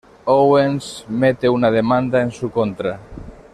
Owens mete una demanda en su contra.